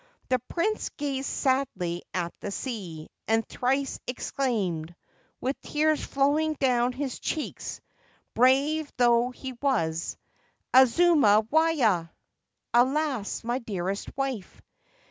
The Prince gazed sadly at the sea, and thrice exclaimed, with tears flowing down his cheeks, — brave though he was —' Azuma waya !' (Alas, my dearest wife